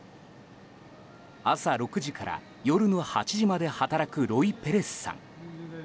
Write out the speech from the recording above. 朝６時から夜の８時まで働くロイ・ペレスさん。